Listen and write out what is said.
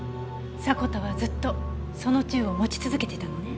迫田はずっとその銃を持ち続けてたのね。